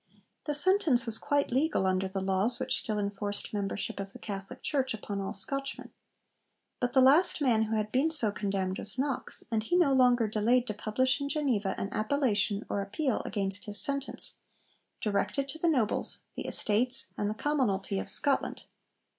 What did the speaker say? The sentence was quite legal under the laws which still enforced membership of the Catholic Church upon all Scotchmen. But the last man who had been so condemned was Knox; and he no longer delayed to publish in Geneva an Appellation or appeal against his sentence, directed to the nobles, the estates and the commonalty of Scotland.